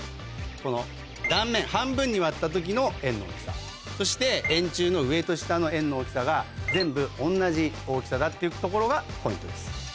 この断面半分に割った時の円の大きさそして円柱の上と下の円の大きさが全部同じ大きさだっていうところがポイントです。